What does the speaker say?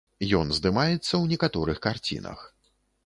Ён здымаецца ў некаторых карцінах.